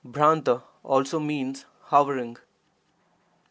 ffRT also means 'hovering'.